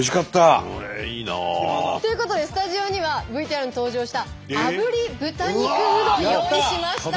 えっいいな。ということでスタジオにはＶＴＲに登場したあぶり豚肉うどん用意しました。